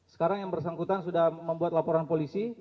sekarang yang bersangkutan sudah membuat laporan polisi